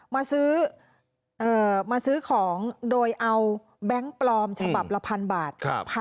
มาซื้อมาซื้อของโดยเอาแบงค์ปลอมฉบับละ๑๐๐บาท